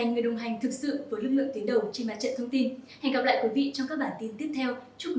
hẹn gặp lại quý vị trong các bản tin tiếp theo